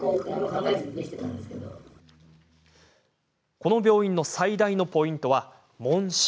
この病院の最大のポイントは問診。